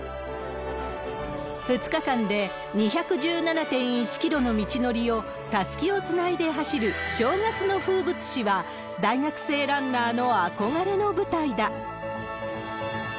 ２日間で２１７．１キロの道のりをたすきをつないで走る正月の風物詩は、大学生ランナーの憧れの舞台だ。